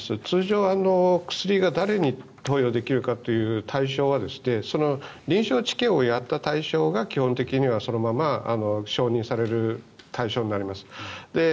通常、薬が誰に投与できるかという対象は臨床治験をやった対象が基本的にはそのまま承認される対象になります。